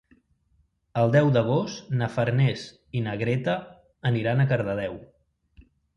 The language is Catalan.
El deu d'agost na Farners i na Greta aniran a Cardedeu.